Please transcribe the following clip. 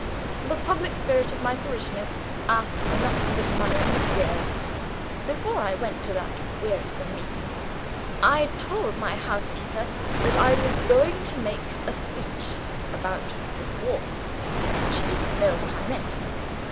The public spirit of my parishioners asks for nothing but money and beer. Before I went to that wearisome meeting, I told my housekeeper that I was going to make a speech about reform. She didn't know what I meant.